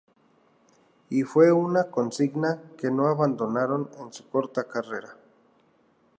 Y fue una consigna que no abandonaron en su corta carrera.